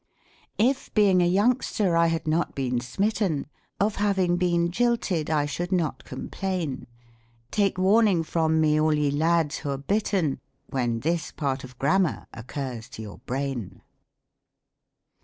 If being a youngster I had not been smitten, Of having leen jilted I should not complain, Take warning from me all ye lads who are bitten, When this part of Grammar occurs to your brain.